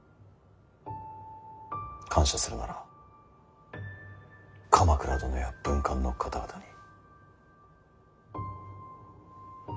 感謝するなら鎌倉殿や文官の方々に。